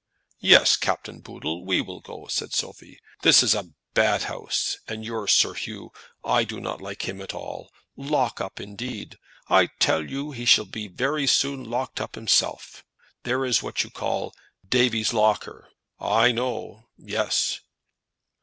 "Yes, Captain Booddle, we will go," said Sophie. "This is a bad house; and your Sir 'Oo, I do not like him at all. Lock up, indeed! I tell you he shall very soon be locked up himself. There is what you call Davy's locker. I know; yes."